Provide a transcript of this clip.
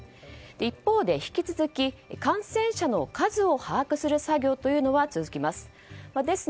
一方で引き続き感染者の数を把握する作業というのは続きます。